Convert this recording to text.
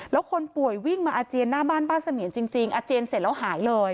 แล้วคนป่วยวิ่งมาอาเจียนหน้าบ้านบ้านเสมียนจริงอาเจียนเสร็จแล้วหายเลย